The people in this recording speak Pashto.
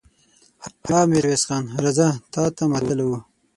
ها! ميرويس خان! راځه، تاته ماتله وو.